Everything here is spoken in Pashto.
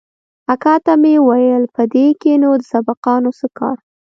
اکا ته مې وويل په دې کښې نو د سبقانو څه کار.